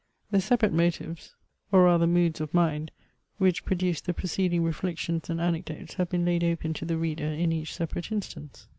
The separate motives, or rather moods of mind, which produced the preceding reflections and anecdotes have been laid open to the reader in each separate instance.